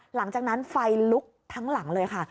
หลังจากนั้นไฟลุกทั้งหลังเลยค่ะ